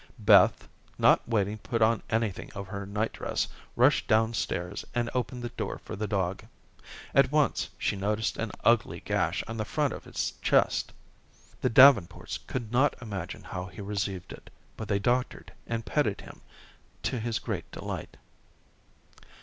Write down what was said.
Beth, not waiting to put on anything over her night dress, rushed down stairs and opened the door for the dog. At once, she noticed an ugly gash on the front of his chest. The Davenports could not imagine how he received it, but they doctored and petted him to his great delight.